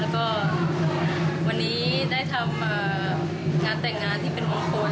แล้วก็วันนี้ได้ทำงานแต่งงานที่เป็นมงคล